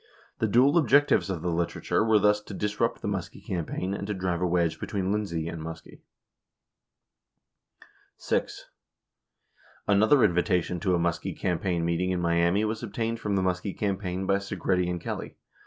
77 The dual objectives of the literature were thus to disrupt the Muskie campaign and to drive a wedge between Lindsay and Muskie. 72 6. Another invitation to a Muskie campaign meeting in Miami was obtained from the Muskie campaign by Segretti and Kelly.